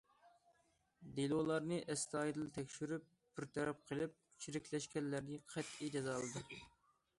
دېلولارنى ئەستايىدىل تەكشۈرۈپ بىر تەرەپ قىلىپ، چىرىكلەشكەنلەرنى قەتئىي جازالىدى.